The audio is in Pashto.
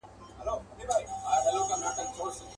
په دې منځ کي شېردل نومي داړه مار وو.